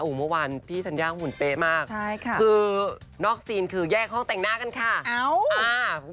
อุ้งเมื่อวันพี่ทันยากหนุนเป๊มากคือนอกซีนคือแยกห้องแต่งหน้ากันค่ะอ้าว